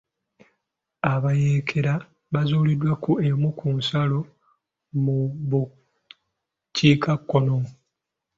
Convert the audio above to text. Abayekera baazuuliddwa ku emu ku nsalo mu bukiikakkono.